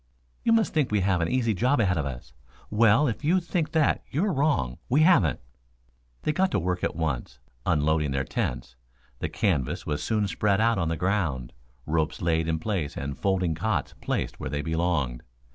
"You must think we have an easy job ahead of us. Well, if you think that you're wrong; we haven't." They got to work at once, unloading their tents. The canvas was soon spread out on the ground, ropes laid in place and folding cots placed where they belonged.